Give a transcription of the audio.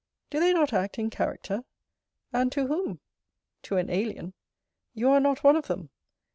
Do they not act in character? And to whom? To an alien. You are not one of them.